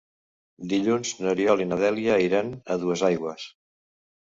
Dilluns n'Oriol i na Dèlia iran a Duesaigües.